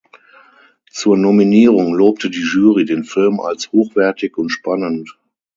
Zur Nominierung lobte die Jury den Film als „hochwertig und spannend“.